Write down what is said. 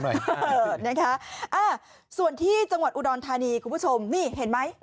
เออนะคะส่วนที่จังหวัดอุดรธานีคุณผู้ชมนี่เห็นไหม